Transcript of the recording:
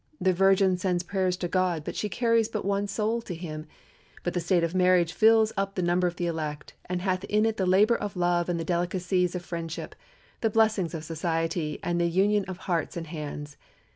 The virgin sends prayers to God, but she carries but one soul to him; but the state of marriage fills up the number of the elect, and hath in it the labor of love and the delicacies of friendship, the blessings of society, and the union of hearts and hands.